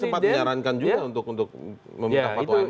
tapi presiden sempat menyarankan juga untuk memutuskan fatwa ma